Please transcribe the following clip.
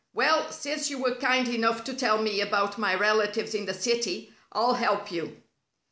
"Well, since you were kind enough to tell me about my relatives in the city, I'll help you."